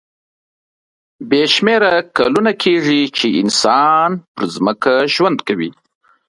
بې شمېره کلونه کېږي چې انسان پر ځمکه ژوند کوي.